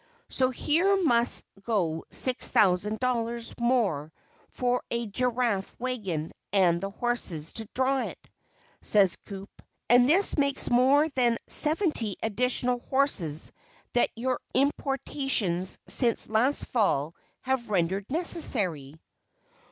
"So here must go six thousand dollars more for a Giraffe wagon and the horses to draw it," says Coup, "and this makes more than seventy additional horses that your importations since last fall have rendered necessary."